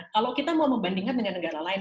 kalau kita mau membandingkan dengan negara lain